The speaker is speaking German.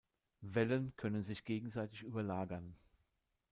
Wellen können sich gegenseitig überlagern.